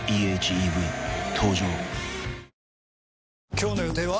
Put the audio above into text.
今日の予定は？